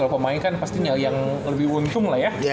kalo pemain kan pasti yang lebih uncung lah ya